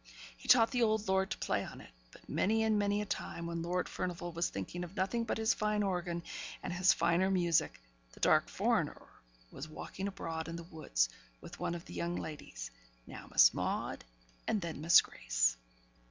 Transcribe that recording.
He taught the old lord to play on it; but many and many a time, when Lord Furnivall was thinking of nothing but his fine organ, and his finer music, the dark foreigner was walking abroad in the woods with one of the young ladies; now Miss Maude, and then Miss Grace.